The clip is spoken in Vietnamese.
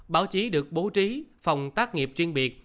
báo chí được bố trí phòng tác nghiệp riêng biệt